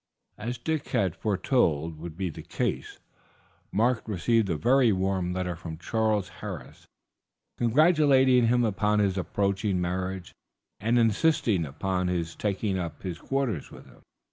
As Dick had foretold would be the case, Mark received a very warm letter from Sir Charles Harris, congratulating him upon his approaching marriage, and insisting upon his taking up his quarters with him.